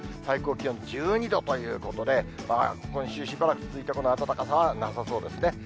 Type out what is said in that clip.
最高気温１２度ということで、今週しばらく続いたこの暖かさは、なさそうですね。